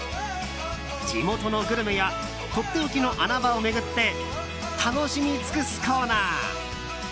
地元のグルメやとっておきの穴場を巡って楽しみ尽くすコーナー。